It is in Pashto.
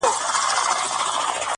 ستا مين درياب سره ياري کوي